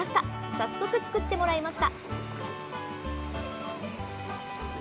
早速、作ってもらいました。